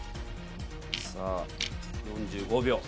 さあ、４５秒。